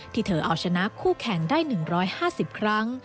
เธอเอาชนะคู่แข่งได้๑๕๐ครั้ง